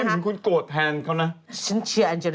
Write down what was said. ทำไมคุณโกระแทนเขานะ